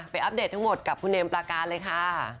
อัปเดตทั้งหมดกับคุณเอมประการเลยค่ะ